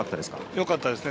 よかったですね。